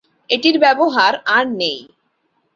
এটির ব্যবহার আর নেই।